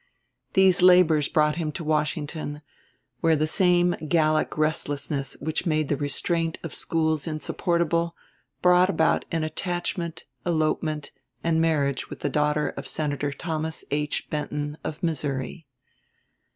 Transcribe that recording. These labors brought him to Washington, where the same Gallic restlessness which made the restraint of schools insupportable, brought about an attachment, elopement, and marriage with the daughter of Senator Thomas H. Benton, of Missouri.